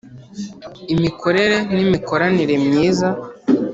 imikorere ni mikoranire myiza